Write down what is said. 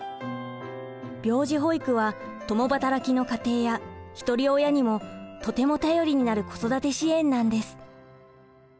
病児保育は共働きの家庭や一人親にもとても頼りになる子育て支援なんです。